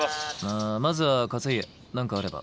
まずは勝家何かあれば。